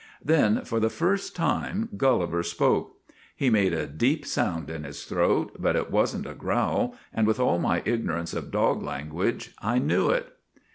; Then for the first time Gulliver spoke. He made a deep sound in his throat, but it was n't a growl, and with all my ignorance of dog language I knew it.